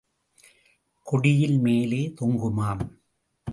கொடியில் மேலே தொங்குமாம்.